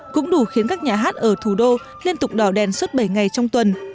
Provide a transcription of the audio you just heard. cũng đủ khiến các nhà hát ở thủ đô liên tục đỏ đèn suốt bảy ngày trong tuần